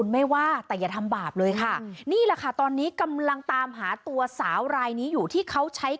แล้วเอาไปทำไมเนี่ย